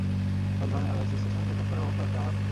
সব ধরনের analysis session record করার ব্যবস্থা আছে আমার অফিসে।